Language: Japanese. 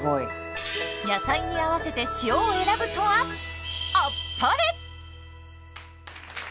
野菜に合わせて塩を選ぶとはあっぱれ！